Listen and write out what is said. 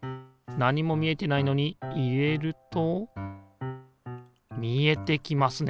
何も見えてないのに入れると見えてきますね。